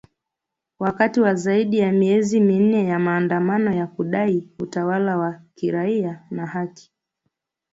Wakati wa zaidi ya miezi minne ya maandamano ya kudai utawala wa kiraia na haki.